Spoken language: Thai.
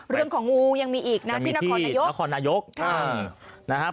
เรื่องของงูยังมีอีกที่นครนายกอาหาร